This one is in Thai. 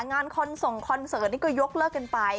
งานคอนส่งคอนเสิร์ตนี่ก็ยกเลิกกันไป